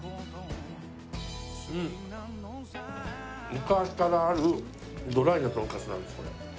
昔からあるドライなとんかつなんですこれ。